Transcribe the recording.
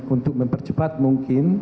untuk mempercepat mungkin